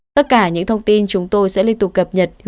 tất cả những thông tin chúng tôi sẽ liên tục cập nhật